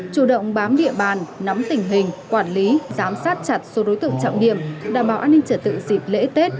chủ động bám địa bàn nắm tình hình quản lý giám sát chặt số đối tượng trọng điểm đảm bảo an ninh trật tự dịp lễ tết